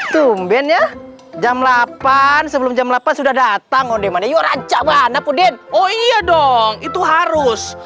tumbennya jam delapan sebelum jam delapan sudah datang odeh mana yuk raja mana pudin oh iya dong itu harus